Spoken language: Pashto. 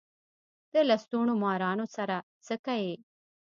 د لستوڼو مارانو سره څه کئ.